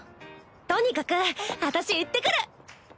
とにかく私行ってくる！